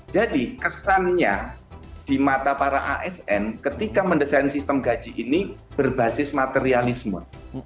jadi kesannya di mata para asn ketika mendesain sistem gaji ini berbasis materialisme